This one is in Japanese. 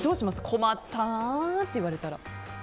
困ったなって言われたら。